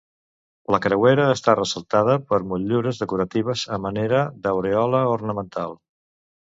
La creuera està ressaltada per motllures decoratives a manera d'aurèola ornamental.